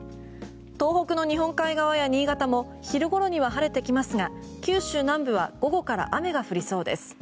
東北の日本海側や新潟も昼ごろには晴れてきますが九州南部は午後から雨が降りそうです。